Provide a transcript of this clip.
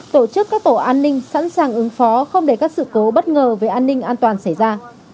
tổ chức các tổ an ninh sẵn sàng ứng phó không để các sự cố bất ngờ về an ninh an toàn xảy ra